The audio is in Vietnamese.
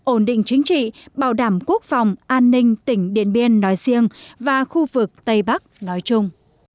ổn định chính trị bảo đảm quốc phòng an ninh tỉnh điện biên nói riêng và khu vực tây bắc nói chung